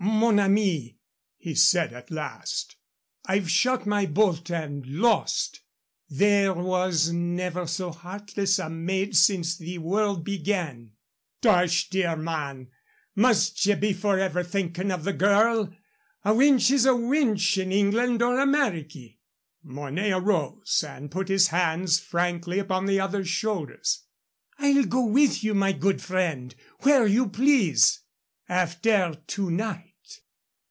"Mon ami," he said at last, "I've shot my bolt and lost. There was never so heartless a maid since the world began." "Tush, dear man! Must ye be forever thinking of the girl? A wench is a wench in England or Ameriky." Mornay arose and put his hands frankly upon the other's shoulders. "I'll go with you, my good friend, where you please after to night."